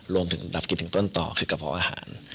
รวมถึงดับกลิ่นต้นต่อคือกระเพาะอาหาร